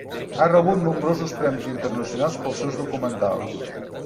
Ha rebut nombrosos premis internacionals pels seus documentals.